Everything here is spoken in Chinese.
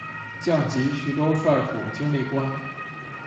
降级徐州帅府经历官。